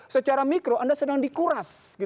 secara mikro anda sedang dikuras